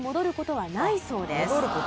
はい。